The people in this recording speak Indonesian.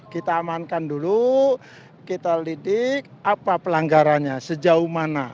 kita amankan dulu kita lidik apa pelanggarannya sejauh mana